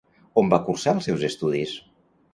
On va cursar els seus estudis?